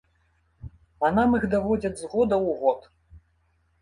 А нам іх даводзяць з года ў год.